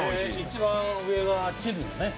一番上がチヌね。